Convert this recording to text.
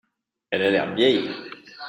Elle a l'air vieille.